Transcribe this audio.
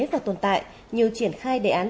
và tồn tại như triển khai đề án